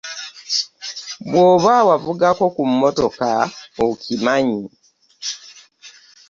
Bw'oba wavugako ku mmotoka okimanyi.